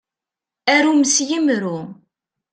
Arum s yimru.